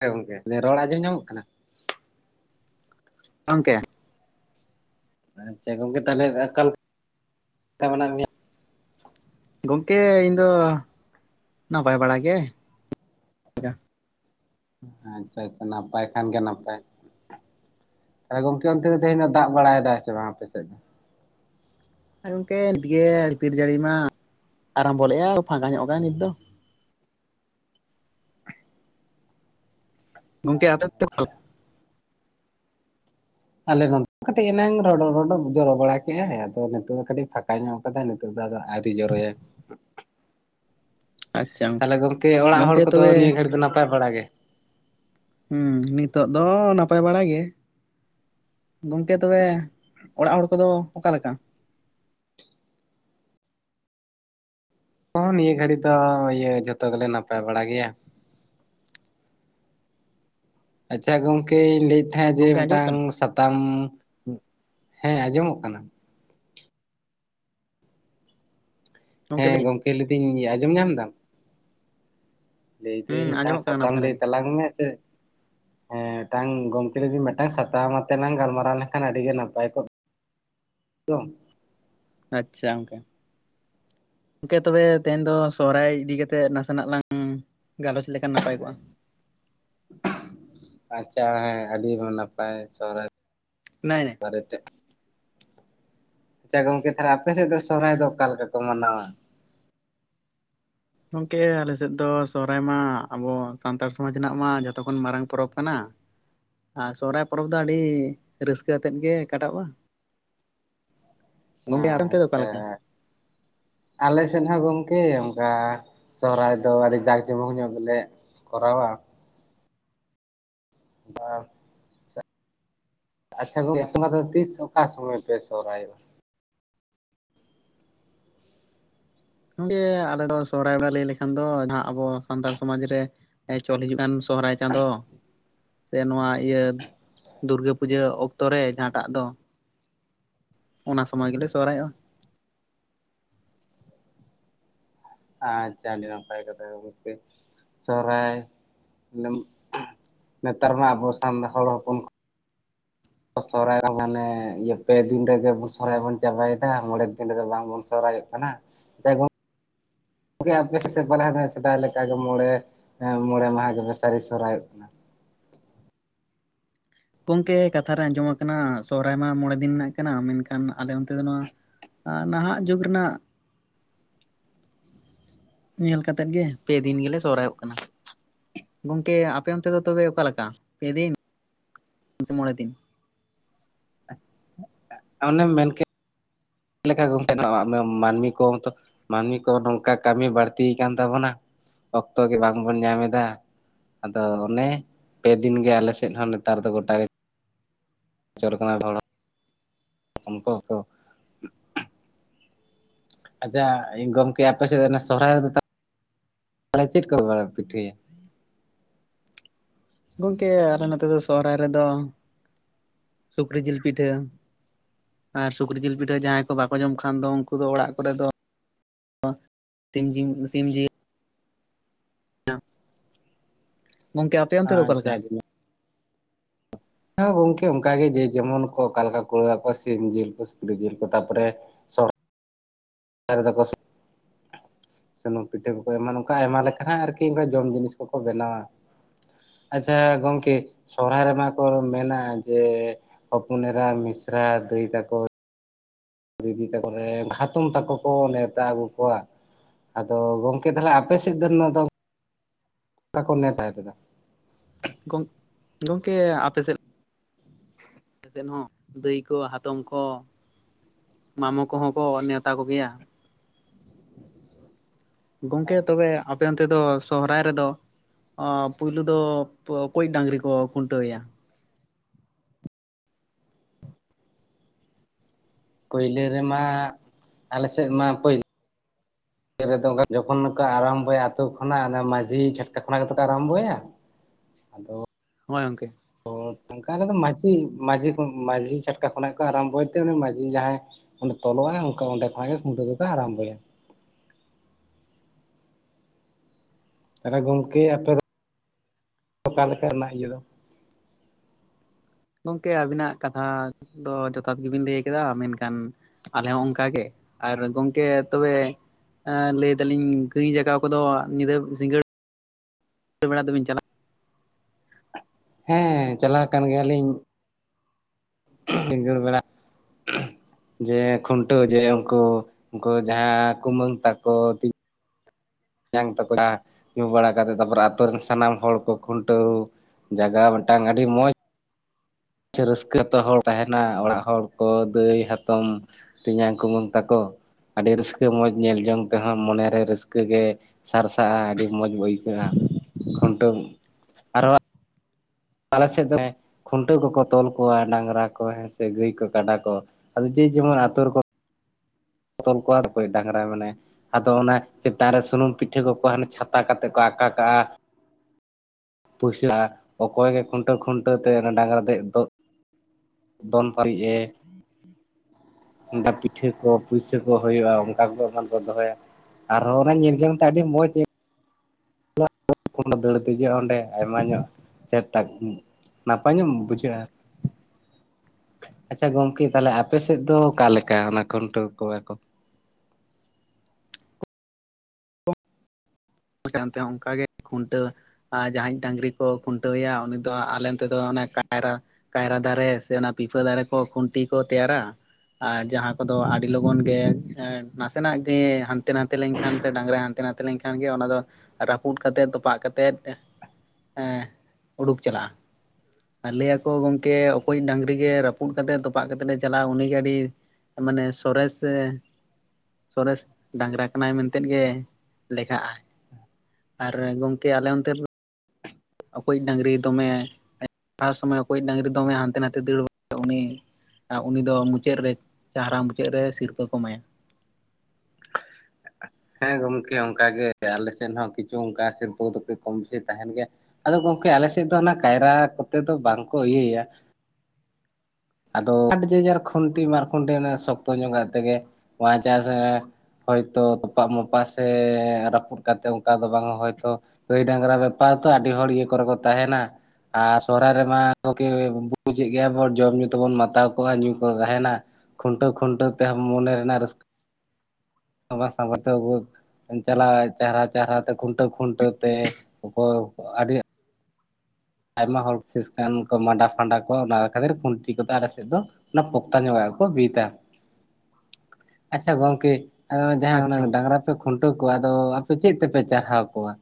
ᱦᱮᱸ ᱜᱚᱝᱠᱮ ᱨᱚᱲ ᱟᱸᱡᱚᱢ ᱧᱟᱢᱚᱜ ᱠᱟᱱᱟ? ᱜᱚᱝᱠᱮ, ᱟᱪᱪᱷᱟ ᱜᱚᱝᱠᱮ ᱛᱟᱦᱚᱞᱮ ᱟᱠᱟᱞ ᱞᱮᱠᱟ ᱢᱮᱱᱟᱜ ᱢᱮᱭᱟ? ᱜᱚᱝᱠᱮ ᱤᱧ ᱫᱚ ᱱᱟᱯᱟᱭ ᱵᱟᱲᱟ ᱜᱮ᱾ ᱟᱪᱪᱷᱟ ᱟᱪᱪᱷᱟ ᱱᱟᱯᱟᱭ ᱠᱷᱟᱱ ᱜᱮ ᱱᱟᱯᱟᱭ᱾ ᱛᱟᱦᱚᱞᱮ ᱜᱚᱢᱠᱮ ᱚᱱᱛᱮ ᱫᱚ ᱛᱮᱦᱮᱧ ᱫᱚ ᱫᱟᱜ ᱵᱟᱲᱟᱭᱮᱫᱟᱭ ᱥᱮ ᱵᱟᱝ ᱟᱯᱮ ᱥᱮᱫ ᱫᱚ? ᱟᱨ ᱜᱚᱝᱠᱮ ᱱᱤᱛᱜᱮ ᱡᱷᱤᱯᱤᱨ ᱡᱟᱹᱲᱤ ᱢᱟ ᱟᱨᱟᱢᱵᱚ ᱞᱮᱫᱼᱟᱭ ᱯᱷᱟᱸᱠᱟ ᱧᱚᱜ ᱠᱟᱜ-ᱟᱭ ᱱᱤᱛ ᱫᱚ᱾ ᱜᱚᱝᱠᱮ [unintelligible] ᱟᱞᱮ ᱱᱚᱱᱛᱮ ᱫᱚ ᱠᱟᱹᱴᱤᱡ ᱮᱱᱟᱝ ᱨᱚᱰᱚᱨᱚᱰᱚᱜ ᱡᱚᱨᱚ ᱵᱟᱲᱟ ᱠᱮᱫᱟᱭ ᱟᱫᱚ ᱱᱤᱛᱚᱜ ᱫᱚ ᱠᱟᱹᱴᱤᱡ ᱯᱷᱟᱸᱠᱟᱭ ᱧᱚᱜ ᱠᱟᱫᱟ ᱱᱤᱛᱚᱜ ᱫᱚ ᱟᱹᱣᱨᱤ ᱡᱚᱨᱚ ᱭᱟ᱾ ᱟᱪᱪᱷᱟ ᱚᱱᱠᱟ ᱛᱟᱦᱚᱞᱮ ᱜᱚᱝᱠᱮ ᱚᱲᱟᱜ ᱦᱚᱲ ᱜᱚᱝᱠᱮ ᱠᱚᱫᱚ ᱱᱤᱭᱟᱹ ᱛᱚᱵᱮ ᱜᱷᱟᱹᱲᱤᱡ ᱫᱚ ᱱᱟᱯᱟᱭ ᱵᱟᱲᱟᱜ ᱜᱮ? ᱦᱩᱸ ᱱᱤᱛᱚᱜ ᱫᱚ ᱱᱟᱯᱟᱭ ᱵᱟᱲᱟ ᱜᱮ᱾ ᱜᱚᱢᱠᱮ ᱛᱚᱵᱮ ᱚᱲᱟᱜ ᱦᱚᱲ ᱠᱚᱫᱚ ᱚᱠᱟᱞᱮᱠᱟ? ᱦᱚᱸ ᱱᱤᱭᱟᱹ ᱜᱷᱟᱹᱲᱤ ᱫᱚ ᱤᱭᱟᱹ ᱡᱷᱚᱛᱚ ᱜᱮᱞᱮ ᱱᱟᱯᱟᱭ ᱵᱟᱲᱟ ᱜᱮᱭᱟ᱾ ᱟᱪᱪᱷᱟ ᱜᱚᱢᱠᱮᱧ ᱞᱟᱹᱭᱮᱫ ᱛᱟᱦᱮᱸᱱᱟ ᱡᱮ ᱜᱚᱝᱠᱮ ᱟᱸᱡᱚᱢᱚᱜ ᱢᱤᱫᱴᱟᱝ ᱠᱟᱱᱟ ᱥᱟᱛᱟᱢ ᱦᱮᱸ ᱟᱸᱡᱚᱢᱚᱜ ᱠᱟᱱᱟ᱾ ᱜᱚᱝᱠᱮ ᱦᱮᱸ ᱞᱟᱹᱭ ᱵᱤᱱ ᱜᱚᱢᱠᱮ ᱞᱟᱹᱭᱫᱟᱹᱧ ᱟᱸᱡᱚᱢ ᱧᱟᱢ ᱫᱟᱢ? ᱞᱟᱹᱭ ᱫᱟᱹᱧ ᱦᱩᱸ ᱢᱤᱫᱴᱟᱝ ᱟᱸᱡᱚᱢᱚᱜ ᱠᱟᱱᱟ ᱥᱟᱛᱟᱢ ᱱᱟᱯᱟᱭ ᱫᱷᱟᱨᱟ ᱞᱟᱹᱭ ᱜᱮ ᱛᱟᱞᱟᱝ ᱢᱮᱥᱮ᱾ ᱦᱮᱸ ᱢᱤᱫᱴᱟᱝ ᱜᱚᱝᱠᱮ ᱡᱩᱫᱤ ᱢᱤᱫᱴᱟᱝ ᱥᱟᱛᱟᱢ ᱟᱛᱮᱞᱟᱝ ᱜᱟᱞᱢᱟᱨᱟᱣ ᱞᱮᱠᱷᱟᱱ ᱟᱹᱰᱤ ᱜᱮ ᱱᱟᱯᱟᱭ ᱠᱚᱜ ᱫᱚ᱾ ᱟᱪᱪᱷᱟ ᱜᱚᱝᱠᱮ᱾ ᱜᱚᱝᱠᱮ ᱛᱚᱵᱮ ᱛᱮᱦᱮᱧ ᱫᱚ ᱥᱚᱦᱚᱨᱟᱭ ᱤᱫᱤ ᱠᱟ ᱠᱟᱛᱮᱫ ᱱᱟᱥᱮᱱᱟᱜ ᱞᱟᱝ ᱜᱟᱞᱚᱪ ᱞᱮᱠᱷᱟᱱ ᱱᱟᱯᱟᱭ ᱠᱚᱜ-ᱟ᱾ ᱟᱪᱪᱷᱟ ᱦᱮᱸ ᱟᱹᱰᱤ ᱦᱚᱸ ᱱᱟᱯᱟᱭ ᱥᱚᱨᱦᱟᱭ [unintelligible] ᱵᱟᱨᱮᱛᱮ ᱟᱪᱪᱷᱟ ᱜᱚᱢᱠᱮ ᱛᱟᱦᱚᱞᱮ ᱟᱯᱮ ᱥᱮᱫ ᱫᱚ ᱥᱚᱨᱚᱦᱟᱭ ᱫᱚ ᱚᱠᱟ ᱞᱮᱠᱟ ᱠᱚ ᱢᱟᱱᱟᱣᱟ? ᱜᱚᱢᱠᱮ ᱟᱞᱮᱥᱮᱫ ᱫᱚ ᱥᱚᱦᱚᱨᱟᱭ ᱢᱟ ᱟᱵᱚ ᱥᱟᱱᱛᱟᱲ ᱥᱚᱢᱟᱡᱽ ᱨᱮᱱᱟᱜ ᱢᱟ ᱡᱚᱛᱚ ᱠᱷᱚᱱ ᱢᱟᱨᱟᱝ ᱯᱚᱨᱚᱵᱽ ᱠᱟᱱᱟ᱾ ᱟᱨ ᱥᱚᱨᱦᱟᱭ ᱯᱚᱨᱚᱵᱽ ᱫᱚ ᱟᱹᱰᱤ ᱨᱟᱹᱥᱠᱟᱹ ᱟᱛᱮᱫ ᱜᱮ ᱠᱟᱴᱟᱜ-ᱟ᱾ ᱜᱚᱢᱠᱮ ᱟᱞᱮ ᱚᱱᱛᱮ ᱫᱚ ᱚᱠᱟᱞᱮᱠᱟ? ᱟᱪᱪᱷᱟ ᱟᱞᱮ ᱥᱮᱫ ᱦᱚᱸ ᱜᱚᱢᱠᱮ ᱚᱱᱠᱟ ᱥᱚᱦᱨᱟᱭ ᱫᱚ ᱟᱹᱰᱤ ᱡᱟᱸᱠ ᱡᱚᱢᱚᱠ ᱧᱚᱜ ᱜᱮᱞᱮ ᱠᱚᱨᱟᱣᱟ᱾ ᱵᱟᱝ ᱟᱪᱪᱷᱟ ᱜᱚᱝᱢᱮ ᱠᱟᱛ ᱫᱚ ᱛᱤᱥ ᱚᱠᱟ ᱥᱚᱢᱚᱭ ᱯᱮ ᱥᱚᱦᱨᱟᱭᱚᱜ-ᱟ? ᱜᱚᱢᱠᱮ ᱟᱞᱮ ᱫᱚ ᱥᱚᱨᱦᱟᱭ ᱵᱚᱸᱜᱟ ᱞᱟᱹᱭ ᱞᱮᱠᱷᱟᱱ ᱫᱚ ᱡᱟᱦᱟᱸ ᱟᱵᱚ ᱥᱟᱱᱛᱟᱲ ᱥᱚᱢᱟᱡ ᱨᱮ ᱪᱚᱞ ᱦᱤᱡᱩᱜ ᱠᱟᱱ ᱥᱚᱦᱚᱨᱟᱭ ᱪᱟᱸᱫᱳ ᱥᱮ ᱱᱚᱣᱟ ᱤᱭᱟᱹ ᱫᱩᱨᱜᱟᱹ ᱯᱩᱡᱟᱹ ᱚᱠᱛᱚ ᱨᱮ ᱡᱟᱦᱟᱸ ᱴᱟᱜ ᱫᱚ ᱚᱱᱟ ᱥᱚᱢᱚᱭ ᱜᱮᱞᱮ ᱥᱚᱦᱨᱟᱭᱚᱜ-ᱟ᱾ ᱟᱪᱪᱷᱟᱸ ᱟᱹᱰᱤ ᱱᱟᱯᱟᱭ ᱠᱟᱛᱷᱟ ᱜᱚᱝᱠᱮ ᱥᱚᱨᱚᱨᱟᱭ ᱱᱮᱛᱟᱨ ᱢᱟ ᱟᱵᱚ ᱥᱟᱱᱛᱟᱲ ᱦᱚᱲ ᱦᱚᱯᱚᱱ ᱠᱚ ᱥᱚᱨᱦᱟᱭ ᱢᱟᱱᱮ ᱤᱭᱟᱹ ᱯᱮ ᱫᱤᱱ ᱨᱮᱜᱮ ᱥᱚᱨᱦᱟᱭ ᱵᱚᱱ ᱪᱟᱵᱟᱭᱮᱫᱟ ᱢᱚᱬᱮ ᱫᱤᱱ ᱨᱮ ᱵᱟᱝ ᱵᱚᱱ ᱥᱚᱨᱦᱟᱭᱚᱜ ᱠᱟᱱᱟ [unintelligible] ᱟᱯᱮ ᱥᱮᱫ ᱥᱮᱫᱟᱭ ᱞᱮᱠᱟᱜᱮ ᱢᱚᱬᱮ ᱦᱮᱸ ᱢᱚᱬᱮ ᱢᱟᱦᱟ ᱜᱮᱯᱮ ᱥᱟᱨᱤ ᱥᱚᱨᱦᱚᱨᱟᱭᱚᱜ ᱠᱟᱱᱟ᱾ ᱜᱚᱢᱠᱮ ᱠᱟᱛᱷᱟ ᱨᱮ ᱟᱸᱡᱚᱢ ᱟᱠᱟᱱᱟ ᱥᱚᱨᱦᱟᱭ ᱢᱟ ᱢᱚᱬᱮ ᱫᱤᱱ ᱨᱮᱱᱟᱜ ᱠᱟᱱᱟ ᱢᱮᱱᱠᱷᱟᱱ ᱟᱞᱮ ᱚᱱᱛᱮ ᱫᱚ ᱱᱚᱣᱟ ᱱᱟᱦᱟᱸᱜ ᱡᱩᱜᱽ ᱨᱮᱱᱟᱜ ᱧᱮᱞ ᱠᱟᱛᱮᱫ ᱜᱮ ᱯᱮ ᱫᱤᱱ ᱜᱮᱞᱮ ᱥᱚᱦᱚᱨᱟᱭᱚᱜ ᱠᱟᱱᱟ᱾ ᱜᱚᱝᱠᱮ ᱟᱯᱮ ᱚᱱᱛᱮᱫ ᱫᱚ ᱛᱚᱵᱮ ᱚᱠᱟ ᱞᱮᱠᱟ ᱯᱮ ᱫᱤᱱ? ᱥᱮ ᱢᱚᱬᱮ ᱫᱤᱱ ᱚᱱᱮᱢ ᱢᱮᱱ ᱠᱮᱫ ᱪᱮᱫ ᱞᱮᱠᱟ ᱜᱚᱢᱠᱮ ᱢᱟᱹᱱᱢᱤ ᱠᱚᱛᱚ ᱢᱟᱹᱱᱢᱤ ᱠᱚ ᱱᱚᱝᱠᱟ ᱠᱟᱹᱢᱤ ᱵᱟᱹᱲᱛᱤ ᱠᱟᱱ ᱛᱟᱵᱚᱱᱟ ᱚᱠᱛᱚ ᱜᱮ ᱵᱟᱝ ᱵᱚᱱ ᱧᱟᱢ ᱮᱫᱟ᱾ ᱟᱫᱚ ᱚᱱᱮ ᱯᱮ ᱫᱤᱱ ᱜᱮ ᱟᱞᱮ ᱥᱮᱫ ᱦᱚᱸ ᱱᱮᱛᱟᱨ ᱫᱚ ᱜᱚᱴᱟ ᱜᱮ [unintelligible] ᱟᱪᱪᱷᱟ ᱤᱧ ᱜᱚᱢᱠᱮ ᱟᱯᱮ ᱥᱮᱫ ᱚᱱᱟ ᱥᱚᱨᱦᱟᱭ ᱨᱮᱫᱚ ᱛᱟᱦᱚᱞᱮ ᱪᱮᱫ ᱠᱚᱫᱚ ᱯᱤᱴᱷᱟᱹᱭᱟ? ᱜᱚᱢᱠᱮ ᱟᱞᱮ ᱱᱚᱛᱮ ᱫᱚ ᱥᱚᱦᱚᱨᱟᱭ ᱨᱮᱫᱚ ᱥᱩᱠᱨᱤ ᱡᱤᱞ ᱯᱤᱴᱷᱟᱹ ᱟᱨ ᱥᱩᱠᱨᱤ ᱡᱤᱞ ᱯᱤᱴᱷᱟᱹ ᱡᱟᱦᱟᱸᱭ ᱠᱚ ᱵᱟᱠᱚ ᱡᱚᱢ ᱠᱷᱟᱱ ᱫᱚ ᱩᱱᱠᱩ ᱫᱚ ᱚᱲᱟᱜ ᱠᱚᱨᱮ ᱫᱚ [unintelligible] ᱥᱤᱢ ᱡᱤᱞ ᱜᱚᱝᱠᱮ ᱟᱯᱮ ᱚᱱᱛᱮ ᱫᱚ ᱚᱠᱟ ᱟᱪᱪᱷᱟ ᱞᱮᱠᱟ? ᱟᱹᱰᱤ ᱜᱚᱝᱠᱮ ᱚᱱᱠᱟᱜᱮ ᱡᱮ ᱡᱮᱢᱚᱱ ᱠᱚ ᱚᱠᱟ ᱞᱮᱠᱟ ᱠᱩᱲᱟᱹ ᱟᱠᱚ ᱥᱤᱢ ᱡᱤᱞ ᱠᱚ ᱥᱩᱠᱨᱤ ᱡᱤᱞ ᱠᱚ ᱛᱟᱨᱯᱚᱨᱮ ᱥᱚᱨᱦᱟᱭ [unintelligible] ᱥᱩᱱᱩᱢ ᱯᱤᱴᱷᱟᱹ ᱠᱚᱠᱚ ᱮᱢᱟᱱ ᱚᱱᱠᱟ ᱟᱭᱢᱟ ᱞᱮᱠᱟ ᱱᱟᱜ ᱟᱨᱠᱤ ᱡᱚᱢ ᱡᱤᱱᱤᱥ ᱠᱚᱠᱚ ᱵᱮᱱᱟᱣᱟ᱾ ᱟᱪᱪᱷᱟ ᱜᱚᱝᱠᱮ ᱥᱚᱦᱚᱨᱟᱭ ᱨᱮᱢᱟ ᱠᱚ ᱢᱮᱱᱟ ᱡᱮ ᱦᱚᱯᱚᱱᱮᱨᱟ ᱢᱤᱥᱨᱟ ᱫᱟᱹᱭ ᱛᱟᱠᱚ ᱫᱤᱫᱤ ᱛᱟᱨᱯᱚᱨᱮ ᱦᱟᱛᱚᱢ ᱛᱟᱠᱚ ᱠᱚ ᱱᱮᱣᱛᱟ ᱟᱹᱜᱩ ᱠᱚᱣᱟ ᱾ ᱟᱫᱚ ᱜᱚᱝᱠᱮ ᱛᱟᱦᱚᱞᱮ ᱟᱯᱮ ᱥᱮᱫ ᱫᱚ ᱱᱚᱣᱟ ᱫᱚ [unintelligible] ᱜ ᱜᱚᱝᱠᱮ ᱟᱯᱮ ᱥᱮᱫ ᱟᱞᱮ ᱥᱮᱫ ᱦᱚᱸ ᱫᱟᱹᱭ ᱠᱚ ᱦᱟᱛᱚᱢ ᱠᱚ ᱢᱟᱢᱚ ᱠᱚᱦᱚᱸ ᱠᱚ ᱱᱮᱣᱛᱟ ᱠᱚᱜᱮᱭᱟ ᱾ ᱜᱚᱝᱠᱮ ᱛᱚᱵᱮ ᱟᱯᱮ ᱚᱱᱛᱮ ᱫᱚ ᱥᱚᱦᱚᱨᱟᱭ ᱨᱮᱫᱚ ᱯᱩᱭᱞᱩ ᱫᱚ ᱚᱠᱚᱭᱤᱡ ᱰᱟᱹᱝᱨᱤ ᱠᱚ ᱠᱷᱩᱱᱴᱟᱹᱣᱭᱟ? ᱯᱳᱭᱞᱳ ᱨᱮᱢᱟ ᱟᱞᱮ ᱥᱮᱫ ᱢᱟ ᱯᱳᱞᱭ ᱨᱮᱫᱚ ᱡᱚᱠᱷᱚᱱ ᱠᱚ ᱟᱨᱟᱢᱵᱚᱭᱟ ᱟᱛᱳ ᱠᱷᱚᱱᱟᱜ ᱚᱱᱮ ᱢᱟᱹᱡᱷᱤ ᱪᱷᱟᱴᱠᱟ ᱠᱷᱚᱱᱟᱜ ᱜᱮᱛᱚ ᱠᱚ ᱟᱨᱟᱢᱵᱷᱭᱟ᱾ ᱟᱫᱚ ᱦᱳᱭ ᱜᱚᱝᱠᱮ ᱾ ᱛᱚ ᱚᱱᱠᱟ ᱞᱮᱠᱟ ᱢᱟᱹᱡᱷᱤ ᱢᱟᱹᱡᱷᱤ ᱢᱟᱹᱡᱷᱤ ᱪᱷᱟᱴᱠᱟ ᱠᱷᱚᱱᱟᱜ ᱠᱚ ᱟᱨᱟᱢᱵᱷᱭᱛᱮ ᱢᱟᱹᱡᱷᱤ ᱡᱟᱦᱟᱸᱭ ᱚᱸᱰᱮ ᱛᱚᱞᱚᱜ ᱟᱭ ᱚᱱᱠᱟ ᱚᱸᱰᱮ ᱠᱷᱚᱱᱟᱜ ᱜᱮ ᱠᱷᱩᱱᱴᱟᱹᱣ ᱠᱚᱠᱚ ᱟᱨᱟᱢᱵᱚᱭᱟ᱾ ᱛᱟᱦᱚᱞᱮ ᱜᱚᱢᱠᱮ ᱟᱯᱮ ᱫᱚ [unintelligible] ᱚᱠᱟ ᱞᱮᱠᱟ ᱚᱱᱟ ᱤᱭᱟᱹ ᱫᱚ ᱜᱚᱝᱠᱮ ᱟᱵᱤᱱᱟᱜ ᱠᱟᱛᱷᱟ ᱫᱚ ᱡᱚᱛᱷᱟᱛ ᱜᱮᱵᱤᱱ ᱞᱟᱹᱭ ᱠᱟᱫᱟ, ᱢᱮᱱᱠᱷᱟᱱ ᱟᱞᱮ ᱦᱚᱸ ᱚᱱᱠᱟ ᱜᱮ ᱾ ᱟᱨ ᱜᱚᱢᱠᱮ ᱛᱚᱵᱮ ᱮ ᱞᱟᱹᱭ ᱫᱟᱞᱤᱧ ᱜᱟᱹᱭ ᱡᱟᱜᱟᱣ ᱠᱚᱫᱚ ᱧᱤᱫᱟᱹ ᱥᱤᱸᱜᱟᱹᱲ [unintelligible] ᱵᱮᱲᱟ ᱫᱚᱵᱤᱱ ᱪᱟᱞᱟᱜ ᱦᱮᱸ ᱪᱟᱞᱟᱣ ᱟᱠᱟᱱ ᱜᱮᱭᱟ ᱞᱤᱧ᱾ ᱥᱤᱝᱜᱟᱹᱲ ᱵᱮᱲᱟ ᱡᱮ ᱠᱷᱩᱱᱴᱟᱹᱣ ᱡᱮ ᱩᱱᱠᱩ ᱩᱱᱠᱩ ᱡᱟᱦᱟᱸ ᱠᱩᱢᱟᱹᱝ ᱛᱟᱠᱚ ᱛᱤᱧᱟᱝ ᱛᱟᱠᱚ ᱡᱟ ᱧᱩᱸ ᱵᱟᱲᱟ ᱠᱟᱛᱮᱫ ᱛᱟᱨᱯᱚᱨᱮ ᱟᱛᱳ ᱨᱮᱱ ᱥᱟᱱᱟᱢ ᱦᱚᱲ ᱠᱚ ᱠᱷᱩᱱᱴᱟᱹᱣ ᱡᱟᱜᱟ ᱢᱤᱫᱴᱟᱝ ᱟᱹᱰᱤ ᱢᱚᱸᱡᱽ ᱨᱟᱹᱥᱠᱟᱹ ᱛᱚ ᱦᱚᱲ ᱛᱟᱸᱦᱮᱱᱟ ᱚᱲᱟᱜ ᱦᱚᱲ ᱠᱚ ᱫᱟᱹᱭ ᱦᱟᱛᱚᱢ ᱛᱤᱧᱟᱝ ᱠᱩᱢᱩᱝ ᱛᱟᱠᱚ, ᱟᱹᱰᱤ ᱨᱟᱹᱥᱠᱟᱹ ᱢᱚᱡᱽ ᱧᱮᱞ ᱡᱚᱝ ᱛᱮᱦᱚᱸ ᱢᱚᱱᱮᱨᱮ ᱨᱟᱹᱥᱠᱟᱹ ᱜᱮ ᱥᱟᱨ ᱥᱟᱜ-ᱟ ᱟᱹᱰᱤ ᱢᱚᱡᱽ ᱟᱹᱭᱠᱟᱹᱜᱼᱟ ᱠᱷᱩᱱᱴᱟᱹᱣ ᱟᱨᱦᱚᱸ ᱟᱞᱮ ᱥᱮᱫ ᱫᱚ ᱦᱮᱸ ᱠᱷᱩᱱᱴᱟᱹᱣ ᱠᱚᱠᱚ ᱛᱚᱞ ᱠᱚᱣᱟ ᱰᱟᱝᱨᱟ ᱠᱚ ᱦᱮᱸ ᱥᱮ ᱜᱟᱹᱭ ᱠᱚ ᱠᱟᱰᱟ ᱠᱚ, ᱟᱫᱚ ᱡᱮ ᱡᱮᱢᱚᱱ ᱟᱛᱳ ᱨᱮᱠᱚ ᱛᱚᱞ ᱠᱚᱣᱟ ᱟᱫ ᱚᱠᱚᱤᱡ ᱰᱟᱝᱨᱟ ᱢᱟᱱᱮ ᱟᱫᱚ ᱚᱱᱮ ᱪᱮᱛᱟᱱ ᱨᱮ ᱥᱩᱱᱩᱢ ᱯᱤᱴᱷᱟᱹ ᱠᱚᱠᱚ ᱦᱟᱱᱮ ᱪᱷᱟᱛᱟ ᱠᱟᱛᱮᱫ ᱠᱚ ᱟᱠᱟ ᱠᱟᱜᱼᱟ᱾ ᱯᱩᱭᱥᱟᱹᱜᱼᱟ ᱚᱠᱚᱭ ᱜᱮ ᱠᱷᱩᱱᱴᱟᱹᱣ ᱠᱷᱩᱱᱴᱟᱹᱣ ᱛᱮ ᱰᱟᱝᱨᱟ ᱫᱮᱡᱚᱜ ᱫᱚᱱ ᱯᱟᱨᱤᱜ ᱮ ᱯᱤᱴᱷᱟᱹ ᱠᱚ ᱯᱩᱭᱥᱟᱹ ᱠᱚ ᱦᱩᱭᱩᱜᱼᱟ ᱚᱱᱠᱟ ᱠᱚ ᱮᱢᱟᱱ ᱠᱚ ᱫᱚᱦᱚᱭᱟ, ᱟᱨ ᱦᱚ ᱚᱱᱟ ᱧᱮᱞ ᱡᱚᱝ ᱛᱮ ᱟᱹᱰᱤ ᱢᱚᱸᱡᱽ [unintelligible] ᱫᱟᱹᱲ ᱫᱮᱡᱚᱜ ᱚᱸᱰᱮ ᱟᱭᱢᱟ ᱧᱚᱜ ᱪᱟᱹᱴ ᱱᱟᱯᱟᱭ ᱧᱚᱜ ᱵᱩᱡᱷᱟᱹᱜᱼᱟ᱾ ᱟᱪᱪᱷᱟ ᱜᱚᱢᱠᱮ ᱛᱟᱦᱚᱞᱮ ᱟᱯᱮ ᱥᱮᱫ ᱫᱚ ᱚᱠᱟᱞᱮᱠᱟ ᱚᱱᱟ ᱠᱷᱩᱱᱴᱟᱹᱣ ᱠᱚᱣᱟ ᱠᱚ? ᱟᱞᱮ ᱚᱱᱛᱮ ᱦᱚᱸ ᱚᱱᱠᱟ ᱜᱮ ᱠᱷᱩᱱᱴᱟᱹᱣ ᱟᱨ ᱡᱟᱦᱟᱸᱭ ᱤᱡ ᱰᱟᱹᱝᱨᱤ ᱠᱚ ᱠᱷᱩᱱᱴᱟᱹᱣᱮᱭᱟ ᱩᱱᱤ ᱫᱚ ᱟᱞᱮ ᱚᱱᱛᱮᱫᱚ ᱚᱱᱮ ᱠᱟᱭᱨᱟ ᱠᱟᱭᱨᱟ ᱫᱟᱨᱮ ᱥᱮ ᱚᱱᱟ ᱯᱤᱯᱷᱟᱹ ᱫᱟᱨᱮ ᱠᱚ ᱠᱷᱩᱱᱴᱤ ᱠᱚ ᱛᱮᱭᱟᱨᱟ᱾ ᱟᱨ ᱡᱟᱦᱟᱸ ᱠᱚᱫᱚ ᱟᱹᱰᱤ ᱞᱚᱜᱚᱱ ᱜᱮ ᱮᱸ ᱱᱟᱥᱮᱱᱟᱜ ᱜᱮ ᱦᱟᱱᱛᱮ ᱱᱟᱛᱮ ᱞᱮᱱᱠᱷᱟᱱ ᱥᱮ ᱰᱟᱹᱝᱨᱟ ᱦᱟᱱᱛᱮ ᱱᱟᱛᱮ ᱞᱮᱱᱠᱷᱟᱱ ᱠᱷᱟᱱ ᱜᱮ ᱚᱱᱟ ᱫᱚ ᱨᱟᱹᱯᱩᱫ ᱠᱟᱛᱮ ᱛᱚᱯᱟᱜ ᱠᱟᱛᱮ ᱮ ᱩᱰᱩᱠ ᱪᱟᱞᱟᱜᱼᱟ᱾ ᱟᱨ ᱞᱟᱹᱭ ᱟᱠᱚ ᱜᱚᱢᱠᱮ ᱚᱠᱚᱭ ᱤᱡ ᱰᱟᱹᱝᱨᱤ ᱜᱮ ᱨᱟᱹᱯᱩᱫ ᱠᱟᱛᱮᱫ ᱛᱚᱯᱟᱜ ᱠᱟᱛᱮᱫ ᱮ ᱪᱟᱞᱟᱜᱼᱟ ᱩᱱᱤ ᱜᱮ ᱟᱹᱰᱤ ᱢᱟᱱᱮ ᱥᱚᱨᱮᱥ ᱥᱮ ᱥᱚᱨᱮᱥ ᱰᱟᱝᱨᱟ ᱠᱟᱱᱟᱭ ᱢᱮᱱᱛᱮᱫ ᱜᱮ ᱞᱮᱠᱷᱟᱜ-ᱟᱭ᱾ ᱟᱨ ᱜᱚᱝᱠᱮ ᱟᱞᱮ ᱚᱱᱛᱮ ᱨᱮᱼᱼ ᱚᱠᱚᱭᱤᱡ‌ ᱰᱟᱹᱝᱨᱤ ᱫᱚᱢᱮ ᱮ ᱯᱟᱣ ᱥᱩᱢᱟᱹᱭ ᱚᱠᱚᱭᱤᱡ ᱰᱟᱹᱝᱨᱤ ᱫᱚᱢᱮ ᱦᱟᱱᱛᱮ ᱱᱟᱛᱮ ᱫᱟᱹᱲ ᱵᱟ ᱩᱱᱤᱼᱼ ᱟᱨ ᱩᱱᱤ ᱫᱚ ᱢᱩᱪᱟᱹᱜ ᱨᱮ ᱪᱟᱦᱟᱨᱟ ᱢᱩᱪᱟᱹᱜ ᱨᱮ ᱥᱤᱨᱯᱟᱹ ᱠᱚ ᱮᱢᱟᱭᱟ᱾ ᱦᱮᱸ ᱜᱚᱢᱠᱮ ᱚᱱᱠᱟ ᱜᱮ ᱟᱞᱮ ᱥᱮᱱ ᱦᱚᱸ ᱠᱤᱪᱷᱩ ᱚᱱᱠᱟ ᱥᱤᱨᱯᱟᱹ ᱫᱚᱯᱤ ᱠᱚᱢ ᱵᱮᱥᱤ ᱛᱟᱦᱮᱱ ᱜᱮᱭᱟ᱾ ᱟᱫᱚ ᱜᱚᱝᱠᱮ ᱟᱞᱮ ᱥᱮᱫ ᱫᱚ ᱚᱱᱟ ᱠᱟᱭᱨᱟ ᱠᱚᱛᱮ ᱫᱚ ᱵᱟᱝ ᱠᱚ ᱤᱭᱟᱹ ᱭᱟ᱾ ᱟᱫᱚ ᱦᱟᱴ ᱡᱮ ᱡᱟᱨ ᱠᱷᱩᱱᱴᱤ ᱢᱟᱸᱜ ᱠᱷᱩᱱᱴᱤ ᱚᱱᱮ ᱥᱚᱠᱛᱚ ᱧᱚᱜᱟᱜ ᱛᱮᱜᱮ ᱵᱟᱭᱼᱪᱟᱱᱥ ᱮᱼᱼ ᱦᱚᱭᱛᱚ ᱛᱚᱯᱟᱜ ᱢᱚᱯᱟᱜ ᱥᱮ ᱨᱟᱯᱩᱫ ᱠᱟᱛᱮᱜ ᱚᱱᱠᱟ ᱫᱚ ᱵᱟᱝ ᱦᱚᱭᱛᱚᱼᱼ ᱜᱟᱹᱭ ᱰᱟᱝᱨᱟ ᱵᱮᱯᱟᱨ ᱛᱚ ᱟᱹᱰᱤ ᱦᱚᱲ ᱤᱭᱟᱹ ᱠᱚᱨᱮ ᱠᱚ ᱛᱟᱦᱮᱱᱟ᱾ ᱟᱨ ᱥᱚᱦᱚᱨᱟᱭ ᱨᱮᱢᱟ ᱜᱚᱝᱠᱮ ᱵᱩᱡᱮᱜ ᱜᱮᱭᱟ ᱵᱚ ᱡᱚᱢ ᱧᱩᱼᱼ ᱛᱮᱵᱚᱱ ᱢᱟᱛᱟᱣ ᱠᱚᱜ-ᱟ ᱧᱩ ᱠᱚ ᱛᱟᱦᱮᱱᱟ ᱠᱷᱩᱱᱴᱟᱹᱣ ᱠᱷᱩᱱᱴᱟᱹᱣ ᱛᱮ ᱢᱚᱱᱮ ᱨᱮᱱᱟᱜ ᱨᱟᱹᱥᱠᱟᱹᱼᱼ ᱟᱸᱵᱟ ᱥᱟᱸᱵᱟ ᱛᱮ ᱜᱳᱫᱼᱼ ᱪᱟᱞᱟᱜ ᱟᱭ ᱪᱟᱨᱦᱟᱣ ᱪᱟᱨᱦᱟᱣ ᱛᱮ ᱠᱷᱩᱱᱴᱟᱹᱣ ᱠᱷᱩᱱᱴᱟᱹᱣ ᱛᱮ ᱚᱠᱚᱭ ᱠᱚ ᱟᱰᱤᱼᱼ ᱟᱭᱢᱟ ᱦᱚᱲ ᱥᱮᱥ ᱠᱟᱱ ᱠᱚ ᱢᱟᱰᱟ ᱯᱷᱟᱸᱰᱟ ᱠᱚᱣᱟ ᱚᱱᱟ ᱠᱷᱟᱹᱛᱤᱨ ᱠᱷᱩᱱᱴᱤ ᱠᱚᱫᱚ ᱟᱞᱮ ᱥᱮᱜ ᱫᱚᱼᱼ ᱚᱱᱟ ᱯᱚᱠᱛᱟ ᱧᱚᱜᱟᱜ ᱜᱮᱠᱚ ᱵᱤᱫᱟ ᱟᱪᱪᱷᱟ ᱜᱚᱝᱠᱮᱼᱼ ᱟᱫᱚ ᱡᱟᱦᱟᱸ ᱚᱱᱟ ᱟᱪᱪᱷᱟ ᱜᱚᱝᱠᱮ ᱰᱟᱝᱨᱟ ᱯᱮ ᱠᱷᱩᱱᱴᱟᱹᱣ ᱠᱚᱣᱟ ᱟᱫᱚ ᱟᱯᱮ ᱪᱮᱫ ᱛᱮᱯᱮ ᱪᱟᱨᱦᱟᱣ ᱠᱚᱣᱟ?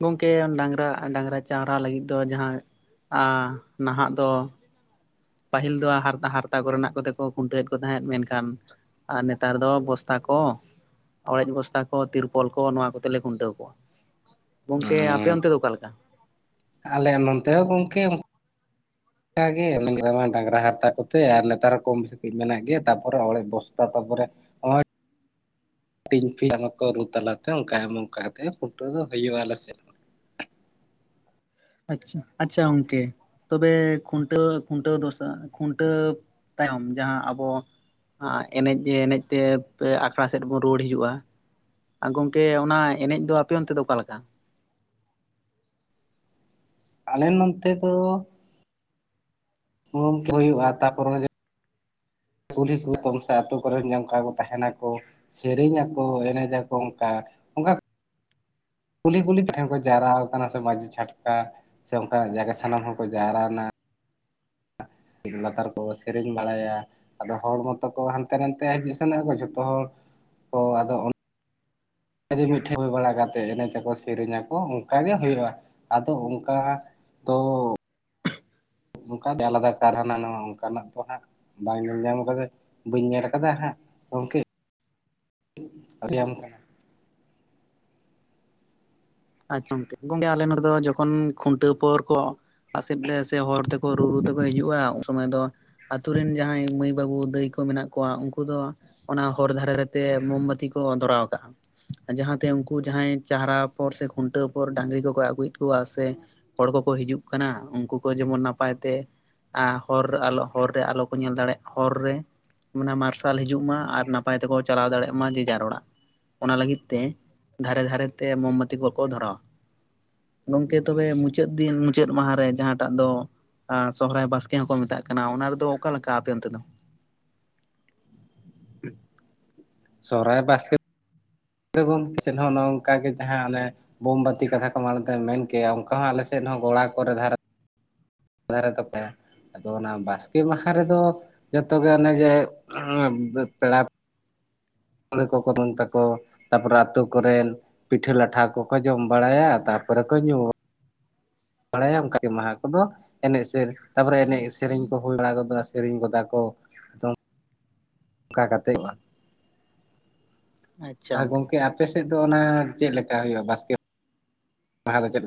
ᱜᱚᱝᱠᱮ ᱚᱱ ᱰᱟᱝᱨᱟ ᱰᱟᱝᱨᱟ ᱪᱟᱶᱨᱟ ᱞᱟᱹᱜᱤᱫ ᱫᱚ ᱡᱟᱦᱟᱸ ᱟᱸ ᱱᱟᱦᱟᱜ ᱫᱚᱼᱼ ᱯᱟᱦᱤᱞ ᱫᱚ ᱦᱟᱨᱛᱟ ᱦᱟᱨᱛᱟ ᱠᱚᱨᱮ ᱱᱟᱜ ᱠᱚᱛᱮ ᱠᱚ ᱠᱷᱩᱱᱴᱟᱹᱣᱮᱫ ᱠᱚ ᱛᱟᱦᱮᱸᱫ ᱢᱮᱱᱠᱷᱟᱱᱼᱼ ᱟᱨ ᱱᱮᱛᱟᱨ ᱫᱚ ᱵᱚᱥᱛᱟ ᱠᱚ᱾ ᱚᱲᱮᱡ ᱵᱚᱥᱛᱟ ᱠᱚ ᱛᱤᱨᱯᱚᱞ ᱠᱚ ᱱᱚᱣᱟ ᱠᱚᱛᱮ ᱞᱮ ᱠᱷᱩᱱᱴᱟᱹᱣ ᱠᱚᱣᱟ᱾ ᱜᱚᱝᱠᱮ ᱟᱯᱮ ᱚᱸᱪ ᱚᱱᱛᱮ ᱫᱚ ᱚᱠᱟ ᱞᱮᱠᱟ ᱟᱞᱮ ᱱᱚᱱᱛᱮ ᱦᱚᱸ ᱜᱚᱝᱠᱮ ᱚᱼᱼ ᱠᱟ ᱜᱮ ᱢᱮᱱ ᱜᱽᱨᱟᱢᱟ ᱰᱟᱝᱜᱽᱨᱟ ᱦᱟᱨᱛᱟ ᱚᱱᱠᱟ ᱜᱮ [unintelligible] ᱠᱚᱛᱮ ᱟᱨ ᱱᱮᱛᱟᱨ ᱦᱚᱸ ᱠᱚᱢ ᱵᱮᱥᱤ ᱠᱟᱹᱡ ᱢᱮᱱᱟᱜ ᱜᱮᱭᱟ ᱛᱟᱯᱚᱨᱮ ᱚᱲᱮᱡ ᱵᱚᱥᱛᱟ ᱛᱟᱯᱚᱨᱮᱼᱼ ᱴᱤᱧᱯᱷᱤᱧ ᱴᱟᱢᱟᱠ ᱠᱚ ᱨᱩ ᱛᱟᱞᱟ ᱛᱮ ᱚᱱᱠᱟᱭ ᱚᱱᱠᱟ ᱠᱟᱛᱮᱜ ᱠᱷᱩᱱᱴᱟᱹᱣ ᱫᱚ ᱦᱩᱭᱩᱜ ᱟᱞᱮ ᱥᱮᱜ ᱾ ᱟᱪᱪᱷᱟ ᱟᱪᱪᱷᱟ ᱜᱚᱝᱠᱮ ᱛᱚᱵᱮ ᱠᱷᱩᱱᱟᱹᱣ ᱠᱷᱩᱱᱴᱟᱹᱣ ᱫᱚᱥᱟ ᱠᱷᱩᱱᱴᱟᱹᱣᱼᱼ ᱛᱟᱭᱚᱢ ᱡᱟᱦᱟᱸ ᱟᱵᱚ ᱟᱸᱜ ᱮᱱᱮᱡ ᱮᱱᱮᱡ ᱛᱮ ᱯᱮ ᱟᱠᱷᱲᱟ ᱥᱮᱫ ᱵᱚᱱ ᱨᱩᱣᱟᱹᱲ ᱦᱤᱡᱩᱜ-ᱟ ᱾ ᱟᱨ ᱜᱚᱝᱠᱮ ᱚᱱᱟ ᱮᱱᱮᱡ ᱫᱚ ᱟᱯᱮ ᱚᱱᱛᱮ ᱫᱚ ᱚᱠᱟ ᱞᱮᱠᱟ? ᱟᱞᱮ ᱱᱚᱱᱛᱮ ᱫᱚ ᱳᱢ ᱠᱚ ᱦᱩᱭᱩᱜ-ᱟ ᱛᱟᱯᱚᱨᱮ ᱡᱟᱼᱼ ᱯᱩᱞᱤᱥ ᱛᱚᱢ ᱥᱟ ᱟᱹᱛᱳ ᱠᱚᱨᱮᱱ ᱡᱟ ᱚᱝᱠᱟ ᱠᱚ ᱛᱟᱦᱮᱸ ᱱᱟᱠᱚᱼᱼ ᱥᱮᱨᱮᱧ ᱟᱠᱚ ᱮᱱᱮᱡᱟ ᱠᱚ ᱚᱝᱠᱟ ᱚᱱᱠᱟ ᱠᱩᱞᱦᱤ ᱠᱩᱞᱦᱤ ᱛᱮᱦᱚᱸ ᱠᱚ ᱡᱟᱣᱨᱟᱣ ᱠᱟᱱᱟ ᱥᱮ ᱢᱟᱹᱡᱷᱤ ᱪᱷᱟᱴᱠᱟ ᱾ ᱥᱮ ᱚᱱᱠᱟ ᱱᱟᱜ ᱡᱟᱭᱜᱟ ᱥᱟᱱᱟᱢ ᱦᱚᱲ ᱠᱚ ᱡᱟᱣᱨᱟ ᱱᱟ ᱾ ᱞᱟᱛᱟᱨ ᱠᱚ ᱥᱮᱨᱮᱧ ᱵᱟᱲᱟᱭᱟ ᱾ ᱟᱫᱚ ᱦᱚᱲ ᱢᱚᱛᱚ ᱠᱚ ᱦᱟᱱᱛᱮ ᱱᱷᱟᱛᱮ ᱦᱤᱡᱩᱜ ᱥᱮᱱᱚᱜ ᱟᱠᱚ ᱡᱷᱚᱛᱚ ᱦᱚᱲ ᱠᱚ ᱟᱫᱚ ᱚᱱ ᱠᱟ ᱡᱮ ᱢᱤᱜ ᱴᱷᱮᱜ ᱦᱳᱭ ᱵᱟᱲᱟ ᱠᱟᱛᱮᱜ ᱮᱱᱮᱡᱟᱠᱚ ᱥᱮᱨᱮᱧ ᱟᱠᱚ ᱚᱱᱠᱟ ᱜᱮ ᱦᱩᱭᱩᱜ-ᱟ ᱟᱫᱚ ᱚᱝᱠᱟ ᱛᱚ ᱚᱝᱠᱟ ᱟᱞᱟᱫᱟ ᱠᱟᱨ ᱦᱟᱱᱟ ᱱᱷᱟᱣᱟ ᱚᱱᱠᱟ ᱱᱟᱜ ᱠᱚ ᱦᱟᱸᱜ ᱾ ᱵᱟᱝ ᱧᱮᱞ ᱧᱟᱢ ᱠᱟᱹᱫᱟᱹᱧ ᱵᱟᱹᱧ ᱧᱮᱞ ᱠᱟᱫᱟ ᱦᱟᱸᱜ ᱜᱚᱝᱠᱮ ᱾ ᱟᱨ ᱞᱟᱹᱭᱟᱢ ᱠᱟ ᱦᱟᱸᱜ ᱾ ᱟᱪᱪᱷᱟ ᱜᱚᱝᱠᱮ ᱜᱚᱝᱠᱮ ᱟᱞᱮ ᱱᱚᱰᱮ ᱫᱚ ᱡᱚᱠᱷᱚᱱ ᱠᱷᱩᱱᱴᱟᱹᱣ ᱯᱚᱨ ᱠᱚᱼᱼ ᱯᱟᱥᱮᱫ ᱮ ᱥᱮ ᱦᱚᱲ ᱛᱮᱠᱚ ᱨᱩ ᱨᱩ ᱛᱮᱠᱚ ᱦᱤᱡᱩᱜ-ᱟ ᱩᱱ ᱥᱚᱢᱚᱭ ᱫᱚ ᱟᱹᱛᱩ ᱨᱤᱱ ᱡᱟᱦᱟᱸᱭ ᱢᱟᱹᱭ ᱵᱟᱹᱵᱩ ᱫᱟᱹᱭ ᱠᱚ ᱢᱮᱱᱟᱜ ᱠᱚᱣᱟ ᱩᱱᱠᱩ ᱫᱚ ᱚᱱᱟ ᱦᱚᱨ ᱫᱷᱟᱨᱮ ᱨᱮ ᱛᱮ ᱠᱚ ᱢᱚᱢ ᱵᱟᱹᱛᱤ ᱠᱚ ᱫᱷᱨᱟᱣ ᱠᱟᱜ-ᱟ ᱡᱟᱦᱟᱸ ᱛᱮ ᱩᱱᱠᱩ ᱡᱟᱦᱟᱸᱭ ᱪᱟᱦᱨᱟᱣ ᱯᱚᱨ ᱥᱮ ᱠᱷᱩᱱᱴᱟᱹᱣ ᱯᱚᱨ ᱰᱟᱺᱝᱨᱤ ᱠᱚᱠᱚ ᱟᱜᱩᱭᱮᱫ ᱠᱚᱣᱟ ᱥᱮ ᱦᱚᱲ ᱠᱚᱠᱚ ᱦᱤᱡᱩᱜ ᱠᱟᱱᱟ ᱩᱱᱠᱩ ᱠᱚ ᱡᱮᱢᱚᱱ ᱱᱟᱯᱟᱭ ᱛᱮ ᱟ ᱦᱚᱨ ᱟᱞᱚ ᱦᱚᱨ ᱨᱮ ᱟᱞᱚ ᱠᱚ ᱧᱮᱞ ᱫᱟᱲᱮᱜ ᱦᱚᱨ ᱨᱮ ᱢᱟᱱᱮ ᱢᱟᱨᱥᱟᱞ ᱦᱤᱡᱩᱜ ᱢᱟ ᱟᱨ ᱱᱟᱯᱟᱭ ᱛᱮᱠᱚ ᱪᱟᱞᱟᱣ ᱫᱟᱲᱮᱜ ᱢᱟ ᱡᱮ ᱡᱟᱨ ᱚᱲᱟᱜ ᱾ ᱚᱱᱟ ᱞᱟᱹᱜᱤᱫ ᱛᱮ ᱫᱷᱟᱨᱮ ᱫᱷᱟᱨᱮ ᱛᱮ ᱢᱚᱢᱵᱟᱹᱛᱤ ᱠᱚᱠᱚ ᱫᱷᱚᱨᱟᱣᱟ ᱾ ᱜᱚᱝᱠᱮ ᱛᱚᱵᱮ ᱢᱩᱪᱟᱹᱫ ᱫᱤᱱ, ᱢᱩᱪᱟᱹᱫ ᱢᱟᱦᱟᱸ ᱨᱮ ᱡᱟᱦᱟᱸᱴᱟᱜ ᱫᱚ ᱟ ᱥᱚᱦᱚᱨᱟᱭ ᱵᱟᱥᱠᱮ ᱦᱚᱸ ᱠᱚ ᱢᱮᱛᱟᱜ ᱠᱟᱱᱟ ᱚᱱᱟ ᱨᱮᱫᱚ ᱚᱠᱟ ᱞᱮᱠᱟ ᱟᱯᱮ ᱚᱱᱛᱮ ᱫᱚ? ᱥᱚᱦᱚᱨᱟᱭ ᱵᱟᱥᱠᱮ ᱜᱚᱝᱠᱮ ᱥᱮᱫ ᱦᱚᱸ ᱚᱱᱮ ᱚᱱᱠᱟ ᱜᱮ ᱡᱟᱦᱟᱸ ᱚᱱᱮ ᱵᱳᱢᱵᱟᱹᱛᱤ ᱠᱟᱛᱷᱟ ᱠᱚ ᱢᱟᱲᱛᱮ ᱢᱮᱱ ᱠᱮᱜᱼᱟ ᱚᱱᱠᱟ ᱦᱚᱸ ᱟᱞᱮ ᱥᱮᱫ ᱦᱚᱸ ᱜᱚᱲᱟ ᱠᱚᱨᱮ ᱫᱷᱟᱨᱮ ᱫᱷᱟᱨᱮ ᱛᱚᱯᱟᱭᱟ ᱾ ᱟᱫᱚ ᱚᱱᱟ ᱵᱟᱥᱠᱮ ᱢᱟᱦᱟᱸ ᱨᱮᱫᱚ ᱡᱷᱚᱛᱚ ᱜᱮ ᱚᱱᱮ ᱡᱮ ᱯᱮᱲᱟ ᱯᱟᱹᱦᱲᱟᱹ ᱠᱚ ᱠᱚ [unintelligible] ᱛᱟᱠᱚ ᱛᱟᱯᱚᱨᱮ ᱟᱹᱛᱳ ᱠᱚᱨᱮᱱ ᱯᱤᱴᱷᱟᱹ ᱞᱟᱴᱷᱟ ᱠᱚᱠᱚ ᱡᱚᱢ ᱵᱟᱲᱟᱭᱟ ᱛᱟᱨᱯᱚᱨᱮ ᱠᱚ ᱧᱩ ᱵᱟᱲᱟᱭᱟ ᱚᱱᱠᱟᱜᱮ ᱢᱟᱦᱟᱸ ᱠᱚᱫᱚ, ᱮᱱᱮᱡ ᱥᱮᱨᱮ ᱛᱟᱯᱚᱨᱮ ᱮᱱᱮᱡ ᱥᱮᱨᱮᱧ ᱠᱚ ᱦᱩᱭ ᱵᱟᱲᱟ ᱜᱚᱫᱚᱜᱼᱟ ᱥᱮᱨᱮᱧ ᱜᱚᱫᱟ ᱠᱚ ᱾ ᱚᱱᱠᱟ ᱠᱟᱛᱮᱜ ᱟ ᱜᱚᱝᱠᱮ ᱟᱯᱮ ᱥᱮᱫ ᱫᱚ ᱚᱱᱟ ᱪᱮᱜ ᱞᱮᱠᱟ ᱦᱩᱭᱩᱜᱼᱟ ᱵᱟᱥᱠᱮ ᱢᱟᱦᱟᱸ ᱫᱚ ᱪᱮᱫ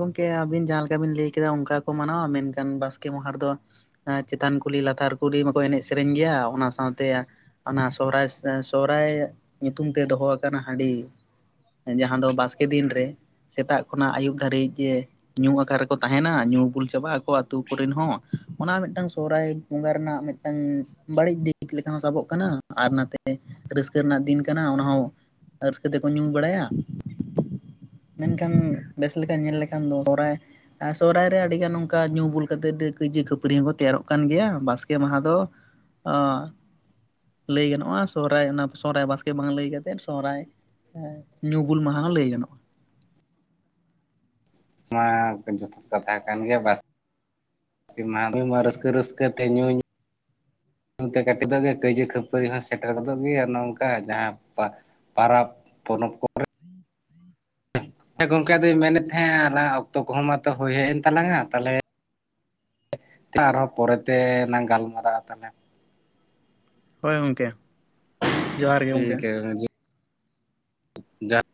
ᱜᱚᱝᱠᱮ ᱟᱹᱵᱤᱱ ᱡᱟᱦᱟᱸ ᱞᱮᱠᱟ ᱵᱤᱱ ᱞᱟᱹᱭ ᱠᱮᱫᱟ ᱚᱱᱠᱟ ᱜᱮ ᱠᱚ ᱢᱟᱱᱟᱣᱟ ᱢᱮᱱᱠᱷᱟᱱ ᱵᱟᱥᱠᱮ ᱢᱟᱦᱟᱸ ᱨᱮ ᱫᱚ ᱮᱸ ᱪᱮᱛᱟᱱ ᱠᱩᱞᱦᱤ ᱞᱟᱛᱟᱨ ᱠᱩᱞᱦᱤ ᱢᱟ ᱠᱚ ᱮᱱᱮᱡ ᱥᱮᱨᱮᱧ ᱜᱮᱭᱟ ᱚᱱᱟ ᱥᱟᱶᱛᱮ ᱚᱱᱟ ᱥᱚᱦᱨᱟᱭ, ᱥᱚᱦᱨᱟᱭ ᱧᱩᱛᱩᱢ ᱛᱮ ᱫᱚᱦᱚ ᱟᱠᱟᱱᱟ ᱦᱟᱺᱰᱤ ᱡᱟᱦᱟᱸ ᱫᱚ ᱵᱟᱥᱠᱮ ᱫᱤᱱ ᱨᱮ ᱥᱮᱛᱟᱜ ᱠᱷᱚᱱᱟᱜ ᱟᱹᱭᱩᱵ ᱫᱷᱟᱹᱨᱤᱡ ᱡᱮ ᱧᱩ ᱟᱠᱟᱨ ᱨᱮᱠᱚ ᱛᱟᱦᱮᱱᱟ ᱧᱩ ᱵᱩᱞ ᱪᱟᱵᱟᱜᱼᱟ ᱟᱠᱚ ᱟᱹᱛᱩ ᱠᱚᱨᱮᱱ ᱦᱚᱸ ᱚᱱᱟ ᱢᱮᱜᱴᱟᱝ ᱥᱚᱦᱨᱟᱭ ᱵᱚᱸᱜᱟ ᱨᱮᱱᱟᱜ ᱢᱮᱜᱴᱟᱝ ᱵᱟᱹᱲᱤᱡ ᱫᱤᱠ ᱞᱮᱠᱟ ᱦᱚᱸ ᱥᱟᱵᱚᱜ ᱠᱟᱱᱟ, ᱟᱨ ᱱᱟᱛᱮ ᱨᱟᱹᱥᱠᱟᱹ ᱨᱮᱱᱟᱜ ᱫᱤᱱ ᱠᱟᱱᱟ ᱚᱱᱟᱦᱚᱸ ᱨᱟᱹᱥᱠᱟᱹ ᱛᱮᱠᱚ ᱧᱩ ᱵᱟᱲᱟᱭᱟ ᱾ ᱢᱮᱱᱠᱷᱟᱱ ᱵᱮᱥ ᱞᱮᱠᱟ ᱧᱮᱞ ᱞᱮᱠᱷᱟᱱ ᱫᱚ ᱥᱚᱨᱦᱟᱭ ᱟ ᱥᱚᱦᱨᱟᱭ ᱨᱮ ᱟᱹᱰᱤᱜᱟᱱ ᱚᱱᱠᱟ ᱧᱩ ᱵᱩᱞ ᱠᱟᱛᱮᱜ ᱰᱟᱹ ᱠᱟᱹᱭᱡᱟᱹ ᱠᱷᱟᱹᱯᱟᱹᱨᱤ ᱦᱚᱸᱠᱚ ᱛᱮᱭᱟᱨᱚᱜ ᱠᱟᱱ ᱜᱮᱭᱟ ᱵᱟᱥᱠᱮ ᱢᱟᱦᱟᱸ ᱫᱚ ᱟ ᱞᱟᱹᱭ ᱜᱟᱱᱚᱜᱼᱟ ᱥᱚᱦᱨᱟᱭ ᱚᱱᱟ ᱥᱚᱦᱨᱟᱭ ᱵᱟᱥᱠᱮ ᱵᱟᱝ ᱞᱟᱹᱭ ᱠᱟᱛᱮᱫ ᱥᱚᱦᱨᱟᱭ ᱧᱩ ᱵᱩᱞ ᱢᱟᱦᱟᱸ ᱦᱚᱸ ᱞᱟᱹᱭ ᱜᱟᱱᱚᱜᱼᱟ ᱾ ᱢᱟ ᱛᱚ ᱡᱚᱛᱷᱟᱛ ᱠᱟᱛᱷᱟ ᱠᱟᱱ ᱜᱮᱭᱟ ᱵᱟᱥ ᱠᱮ ᱢᱟᱦᱟᱸ ᱫᱚᱭ ᱢᱟ ᱨᱟᱹᱥᱠᱟᱹ ᱨᱟᱹᱥᱠᱟᱹ ᱛᱮ ᱧᱩ ᱧᱩ ᱛᱮ ᱠᱟᱹᱴᱤᱡ ᱫᱚᱜᱮ ᱠᱟᱹᱭᱡᱟᱹ ᱠᱷᱟᱹᱯᱟᱹᱨᱤ ᱦᱚᱸ ᱥᱮᱴᱮᱨ ᱜᱚᱫᱚᱜ ᱜᱮᱭᱟ ᱚᱱᱮ ᱚᱝᱠᱟ ᱡᱟᱦᱟᱸ ᱯᱟ ᱯᱟᱨᱟᱯ ᱯᱚᱱᱚᱵ ᱠᱚᱨᱮ ᱾ ᱦᱮᱸ ᱜᱚᱝᱠᱮ ᱟᱫᱩᱧ ᱢᱮᱱᱮᱫ ᱛᱟᱦᱮᱸᱟ ᱟᱞᱟᱝᱜᱼᱟ ᱚᱠᱛᱚ ᱠᱚᱦᱚᱸ ᱢᱟᱛᱚ ᱦᱳᱭ ᱦᱮᱡ ᱮᱱ ᱛᱟᱞᱟᱝᱼᱟ ᱛᱟᱞᱦᱮ ᱟᱨᱦᱚᱸ ᱯᱚᱨᱮᱛᱮ ᱞᱟᱝ ᱜᱟᱞᱢᱟᱨᱟᱜᱼᱟ ᱛᱟᱞᱦᱮ ᱾ ᱦᱳᱭ ᱜᱚᱝᱠᱮ ᱾ ᱴᱷᱤᱠ ᱜᱮᱭᱟ [inaudible] ᱡᱟ [inaudible]